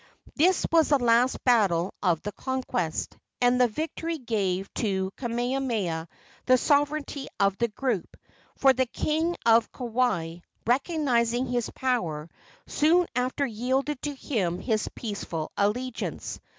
This was the last battle of the conquest, and the victory gave to Kamehameha the sovereignty of the group, for the king of Kauai, recognizing his power, soon after yielded to him his peaceful allegiance.